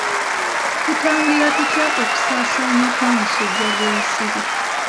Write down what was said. Tutangira tutya okusaasaana kw'omusujja gw'ensiri?